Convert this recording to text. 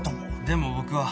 でも僕は。